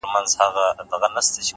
وخت د هوښیارو پانګه ده،